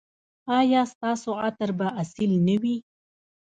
ایا ستاسو عطر به اصیل نه وي؟